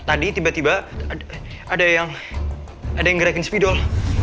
tadi tiba tiba ada yang ngerekin sepidol